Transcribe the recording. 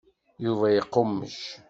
Yuba iqummec.